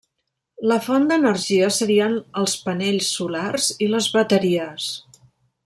La font d'energia serien els panells solars i les bateries.